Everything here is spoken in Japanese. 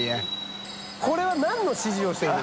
これは何の指示をしてる？